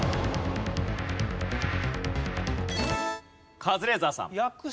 カズレーザーさん。